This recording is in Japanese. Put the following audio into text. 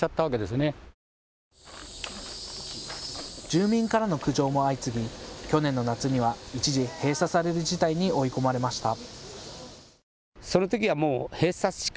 住民からの苦情も相次ぎ去年の夏には一時閉鎖される事態に追い込まれました。